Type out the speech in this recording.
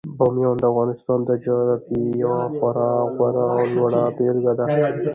بامیان د افغانستان د جغرافیې یوه خورا غوره او لوړه بېلګه ده.